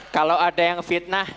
kalau ada yang fitnah